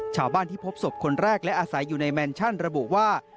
ชาวบ้านที่พบศพคนแรกและอาศัยอยู่ในแมนชั่นระบุว่า